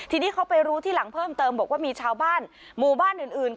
ทีนี้เขาไปรู้ที่หลังเพิ่มเติมบอกว่ามีชาวบ้านหมู่บ้านอื่น